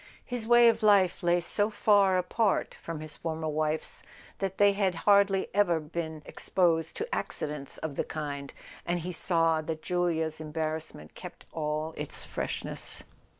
His way of life lay so far apart from his former wife's that they had hardly ever been exposed to accidents of the kind, and he saw that Julia's embarrassment kept all its freshness.